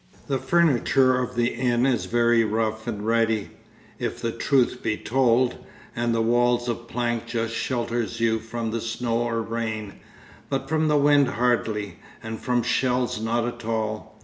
The furniture of the inn is very rough and ready, if the truth be told, and the wall of planks just shelters you from the snow or rain, but from the wind hardly, and from shells not at all.